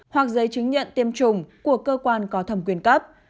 hoặc giấy chứng nhận tiêm chủng của cơ quan có thẩm quyền cấp